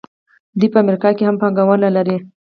دوی په امریکا کې هم پانګونه لري.